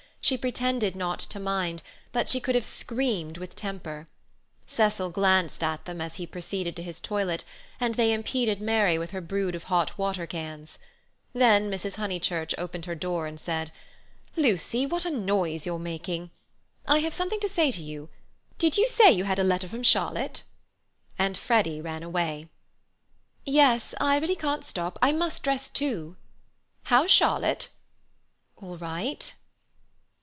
She pretended not to mind, but she could have screamed with temper. Cecil glanced at them as he proceeded to his toilet and they impeded Mary with her brood of hot water cans. Then Mrs. Honeychurch opened her door and said: "Lucy, what a noise you're making! I have something to say to you. Did you say you had had a letter from Charlotte?" and Freddy ran away. "Yes. I really can't stop. I must dress too." "How's Charlotte?" "All right."